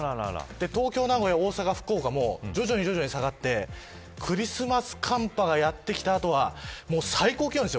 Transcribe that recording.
東京、名古屋、大阪、福岡も徐々に下がってクリスマス寒波がやってきたあとはもう最高気温ですよ。